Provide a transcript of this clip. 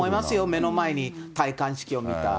目の前に戴冠式を見た。